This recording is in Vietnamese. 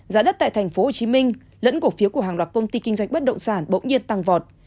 giá đất tại tp hcm lẫn cổ phiếu của hàng loạt công ty kinh doanh bất động sản bỗng nhiên tăng vọt